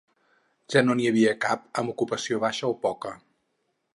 Ja no n’hi havia cap amb ocupació baixa o poca.